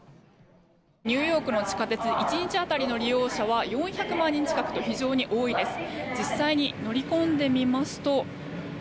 ニューヨークの地下鉄１日当たりの利用者は４００万人近くと非常に多いです。